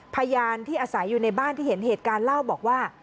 พยานที่อาศัยอยู่ในบ้านที่เห็นเหตุการณ์เล่าบอกว่า